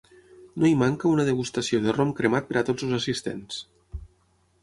No hi manca una degustació de rom cremat per a tots els assistents.